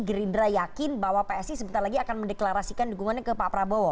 gerindra yakin bahwa psi sebentar lagi akan mendeklarasikan dukungannya ke pak prabowo